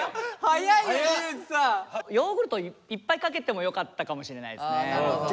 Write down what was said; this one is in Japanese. ヨーグルトいっぱいかけてもよかったかもしれないですね。